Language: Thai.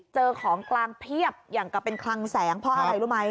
เจอของกลางเพียบอย่างกับเป็นคลังแสงเพราะอะไรรู้ไหม